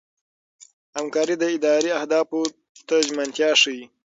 همکاري د ادارې اهدافو ته ژمنتیا ښيي.